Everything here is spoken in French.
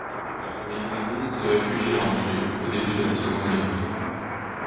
La famille Gravis se réfugie à Angers au début de la Seconde Guerre mondiale.